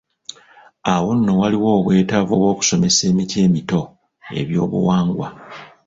Awo nno waliwo obwetaavu bw’okusomesa emiti emito ebyobuwangwa..